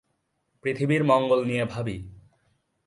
পৃথিবীর মঙ্গল নিয়ে ভাবি।